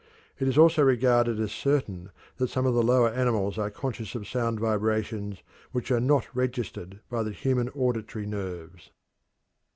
It is also regarded as certain that some of the lower animals are conscious of sound vibrations which are not registered by the human auditory nerves.